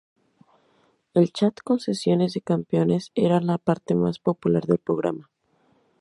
El chat con sesiones de Campeones era la parte más popular del programa.